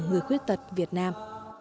người khuyết tật việt nam